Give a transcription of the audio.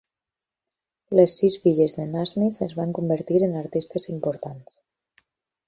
Les sis filles de Nasmyth es van convertir en artistes importants.